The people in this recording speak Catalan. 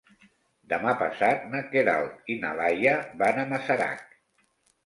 Demà passat na Queralt i na Laia van a Masarac.